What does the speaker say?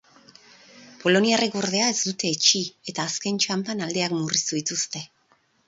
Poloniarrek, ordea, ez dute etsi eta azken txanpan aldeak murriztu dituzte.